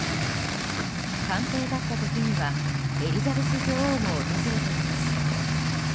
官邸だった時にはエリザベス女王も訪れています。